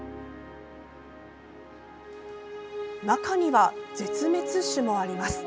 中には、絶滅種もあります。